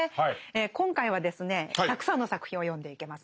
今回はですねたくさんの作品を読んでいけますので。